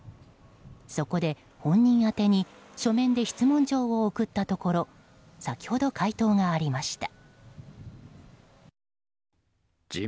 そこで、本人宛てに書面で質問状を送ったところ先ほど回答がありました。